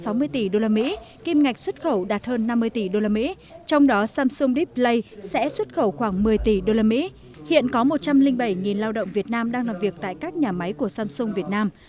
năm nay samsung phấn đấu đạt doanh thu sáu mươi tỷ usd kim ngạch xuất khẩu đạt hơn năm mươi tỷ usd trong đó samsung deep slate sẽ xuất khẩu khoảng một mươi tỷ usd hiện có một trăm linh bảy lao động việt nam đang làm việc tại các nhà máy của samsung việt nam